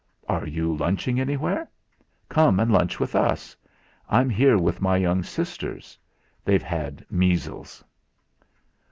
"Are you lunching anywhere? Come and lunch with us; I'm here with my young sisters. They've had measles."